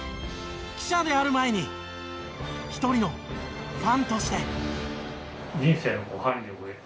記者である前に１人のファンとして。